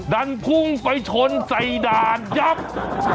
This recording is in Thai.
ดันพุงไปชนใส่ดานยับแบบนี้เลย